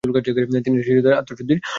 তিনি তাঁর শিষ্যদের আত্মশুদ্ধির শিক্ষা দিতেন।